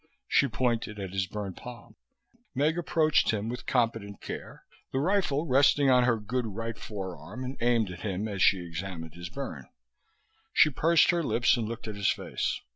She pointed at his burned palm. Meg approached him with competent care, the rifle resting on her good right forearm and aimed at him as she examined his burn. She pursed her lips and looked at his face.